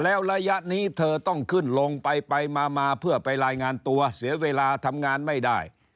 แล้วระยะนี้เธอต้องขึ้นลงไปไปมาเพื่อไปรายงานตัวเสียเวลาทำงานไม่ได้